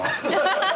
ハハハ。